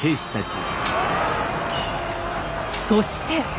そして。